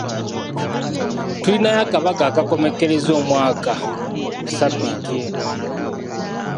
Tulinayo akabaga akakomekkereza omwaka ssabbiiti eno.